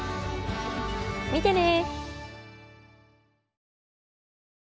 見てね！